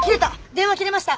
電話切れました！